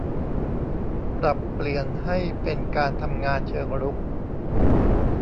ปรับเปลี่ยนให้เป็นการทำงานเชิงรุก